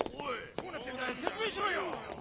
どうなってんだよ説明しろよ。